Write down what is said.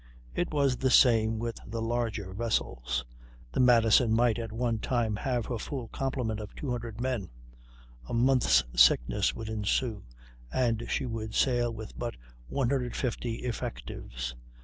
It was the same with the larger vessels. The Madison might at one time have her full complement of 200 men; a month's sickness would ensue, and she would sail with but 150 effectives.